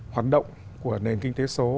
hoạt động của nền kinh tế số